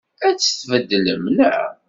Ad tt-tbeddlem, naɣ?